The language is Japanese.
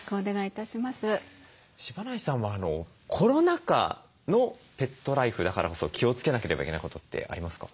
柴内さんはコロナ禍のペットライフだからこそ気をつけなければいけないことってありますか？